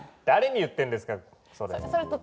誰に言ってんですかそれ？